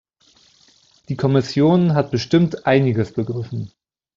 Die Kommission hat bestimmt einiges begriffen.